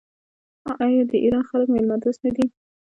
آیا د ایران خلک میلمه دوست نه دي؟